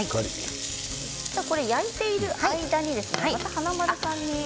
焼いている間に華丸さんに。